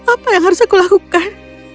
apa yang harus aku lakukan